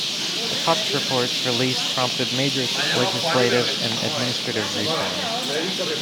The Cox Report's release prompted major legislative and administrative reforms.